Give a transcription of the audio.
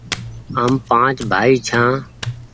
هم پآنچ بآئي ڇآن